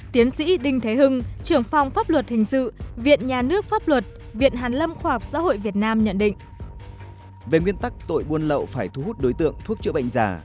về nguyên tắc tội buôn lậu phải thu hút đối tượng thuốc chữa bệnh giả